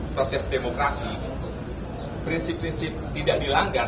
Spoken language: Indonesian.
proses demokrasi prinsip prinsip tidak dilanggar